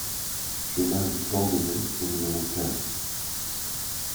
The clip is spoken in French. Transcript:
Chemin du Tandenet au numéro quinze